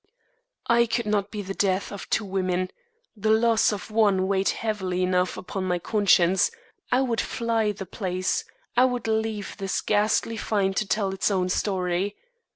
I could not be the death of two women; the loss of one weighed heavily enough upon my conscience. I would fly the place I would leave this ghastly find to tell its own story.